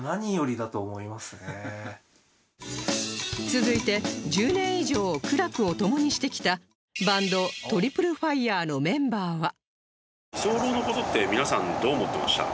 続いて１０年以上苦楽を共にしてきたバンドトリプルファイヤーのメンバーは